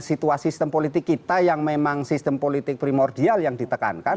situasi sistem politik kita yang memang sistem politik primordial yang ditekankan